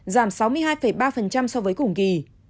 giảm sáu mươi hai ba so với cùng kỳ